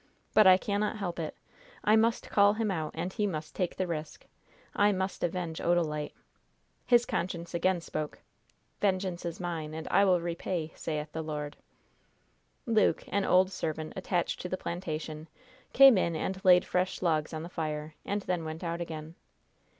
But I cannot help it! I must call him out, and he must take the risk! I must avenge Odalite!" His conscience again spoke: "Vengeance is mine, and I will repay, saith the Lord." Luke, an old servant attached to the plantation, came in and laid fresh logs on the fire, and then went out again.